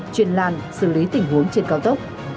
chuyên làn xử lý tình huống trên cao tốc